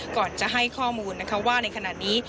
ก่อนจะให้ข้อมูลนะคะว่าในขณะนี้